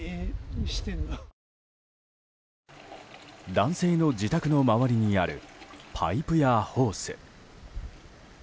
男性の自宅の周りにあるパイプやホース。